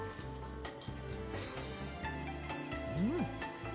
うん！